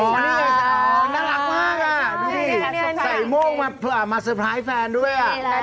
นี่แหละน่ารักมากอ่ะดูนี่ใส่โมงมาสเตอร์ไพรส์แฟนด้วยอ่ะนี่แหละ